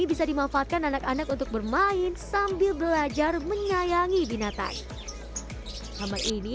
bisa dimanfaatkan anak anak untuk bermain sambil belajar menyayangi binatang ini